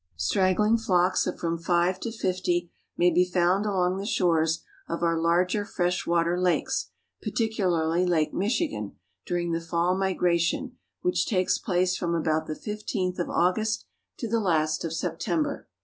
Straggling flocks of from five to fifty may be found along the shores of our larger fresh water lakes, particularly Lake Michigan, during the fall migration, which takes place from about the fifteenth of August to the last of September.